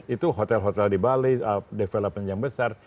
itu hotel hotel di bali development yang besar